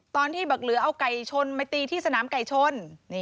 ตอนที่บักเหลือเอาไก่ชนมาตีที่สนามไก่ชน